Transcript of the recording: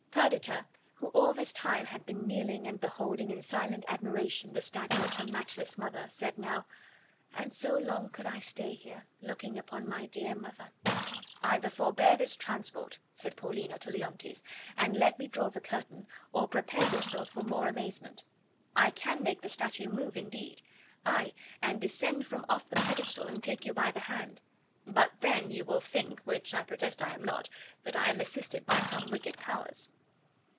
Perdita, who all this time bad been kneeling and beholding in silent admiration the statue of her matchless mother, said now, "And so long could I stay here, looking upon my dear mother." "Either forbear this transport," said Paulina to Leontes, "and let me draw the curtain or prepare yourself for more amazement. I can make the statue move indeed; aye, and descend from off the pedestal and take you by the hand. But then you will think, which I protest I am not, that I am assisted by some wicked powers."